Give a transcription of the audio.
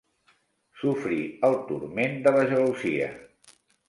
Sofrir el turment de la gelosia.